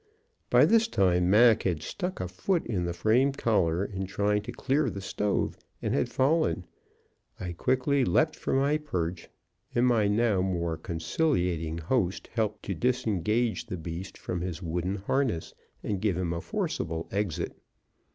By this time Mac had stuck a foot in the frame collar in trying to clear the stove, and had fallen. I quickly leaped from my perch, and my now more conciliating host helped to disengage the beast from his wooden harness, and give him a forcible exit.